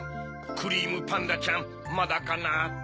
「クリームパンダちゃんまだかな」って？